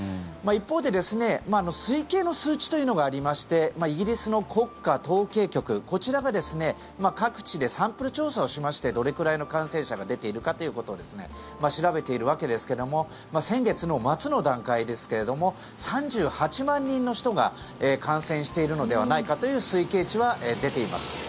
一方で、推計の数値というのがありましてイギリスの国家統計局こちらが各地でサンプル調査をしましてどれくらいの感染者が出ているかということを調べているわけですが先月の末の段階ですが３８万人の人が感染しているのではないかという推計値は出ています。